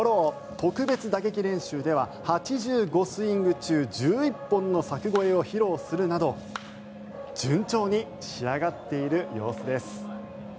特別打撃練習では８５スイング中１１本の柵越えを披露するなど順調に仕上がっている様子です。